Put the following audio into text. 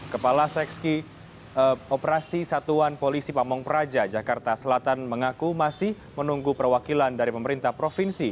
kepala sekski operasi satuan polisi pamung praja jakarta selatan mengaku masih menunggu perwakilan dari pemerintah provinsi